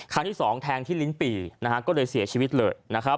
ครั้งที่๒แทงที่ลิ้นปี่ก็เลยเสียชีวิตเลย